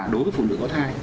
đối với phụ nữ có tham